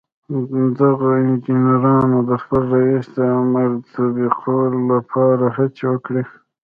دغو انجنيرانو د خپل رئيس د امر تطبيقولو لپاره هڅې وکړې.